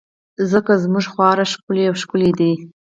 ځکه ژوند خورا ښکلی او ښکلی دی.